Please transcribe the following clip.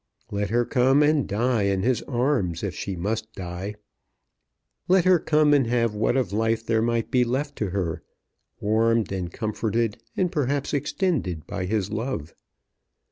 Let her come and die in his arms if she must die. Let her come and have what of life there might be left to her, warmed and comforted and perhaps extended by his love.